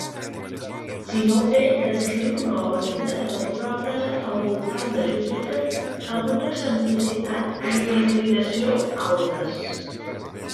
Sinope descriu una òrbita retrògrada al voltant de Júpiter amb una excentricitat i una inclinació altes.